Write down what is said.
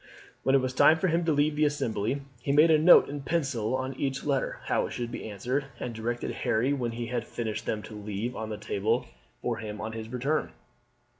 When it was time for him to leave for the Assembly he made a note in pencil on each letter how it should be answered, and directed Harry when he had finished them to leave them on the table for him on his return.